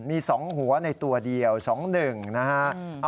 มี๒หัวในตัวเดียว๒๑นะฮะ